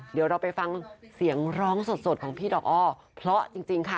เดี๋ยวเราไปฟังเสียงร้องสดของพี่ดอกอ้อเพราะจริงค่ะ